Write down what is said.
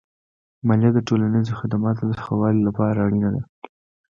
مالیه د ټولنیزو خدماتو د ښه والي لپاره اړینه ده.